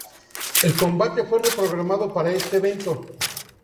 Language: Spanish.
El combate fue reprogramado para este evento.